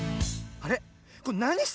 あれ？